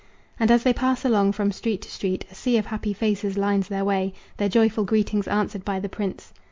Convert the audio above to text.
And as they pass along from street to street A sea of happy faces lines their way, Their joyful greetings answered by the prince.